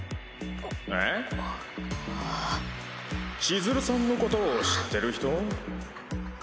千鶴さんのことを知ってる人？